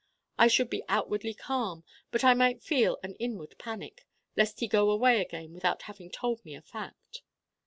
I should be outwardly calm but I might feel an inward panic: lest he go away again without having told me a fact.